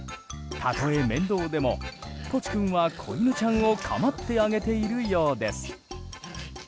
たとえ、面倒でもポチ君は子犬ちゃんを構ってあげているようです。